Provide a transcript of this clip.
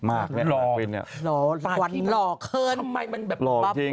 มากมากกว่าพี่มะตูปัดโต๊ะทำไมมันแบบรอจริง